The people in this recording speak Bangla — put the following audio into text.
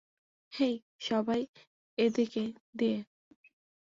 হেই, সবাই, এ দিক দিয়ে।